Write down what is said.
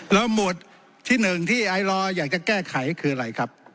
แล้วหมวดที่หนึ่งที่ไอลอร์อยากจะแก้ไขคืออะไรครับ